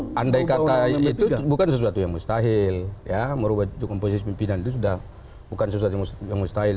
andai kata itu bukan sesuatu yang mustahil ya merubah komposisi pimpinan itu sudah bukan sesuatu yang mustahil